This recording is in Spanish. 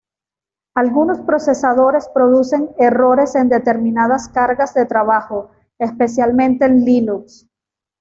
Algunos procesadores producen errores en determinadas cargas de trabajo especialmente en Linux.